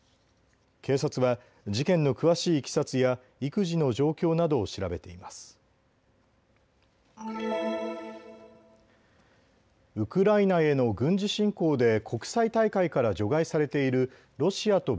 警察は事件の詳しいいきさつや育児の状況などを調べています。